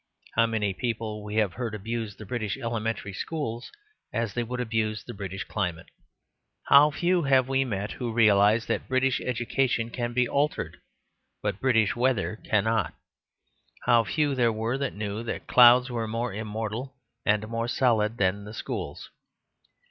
How many people we have heard abuse the British elementary schools, as they would abuse the British climate? How few have we met who realised that British education can be altered, but British weather cannot? How few there were that knew that the clouds were more immortal and more solid than the schools?